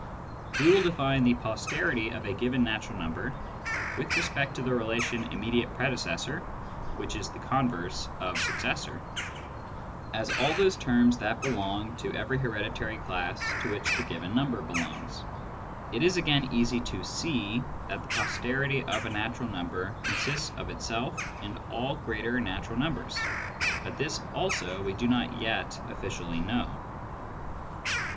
We will define the " posterity " of a given natural number with respect to the relation " immediate predecessor " /which is the converse of " successor ") as all those terms^that belong to every hereditary class to which the given number belongs. It is again easy to see that the posterity of a natural number con sists of itself and all greater natural numbers ; but this also we do not yet officially know.